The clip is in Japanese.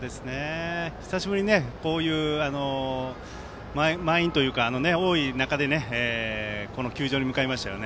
久しぶりにこういう満員というか多い中で球場に向かいました。